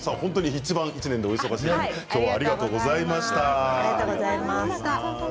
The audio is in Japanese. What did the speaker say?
いちばん１年でお忙しい時にありがとうございました。